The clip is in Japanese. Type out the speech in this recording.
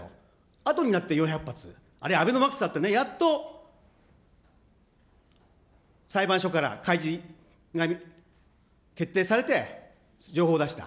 あとになって４００発、あるいはアベノマスクだって、やっと裁判所から開示が決定されて、情報出した。